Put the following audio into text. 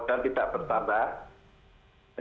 itu yang belum ditemukan ada empat